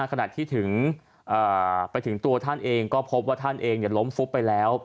ขณะที่ถึงไปถึงตัวท่านเองก็พบว่าท่านเองล้มฟุบไปแล้ว